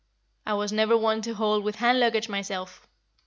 "I was never one to hold with hand luggage, myself."